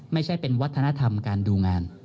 ไม่ใช่เป็นวัฒนธรรมการดูงาน